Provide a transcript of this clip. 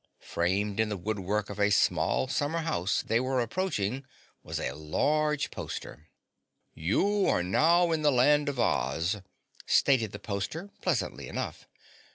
Framed in the woodwork of a small summer house they were approaching was a large poster. "You are now in the Land of Oz," stated the poster, pleasantly enough.